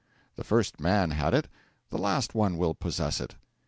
The first man had it, the last one will possess it.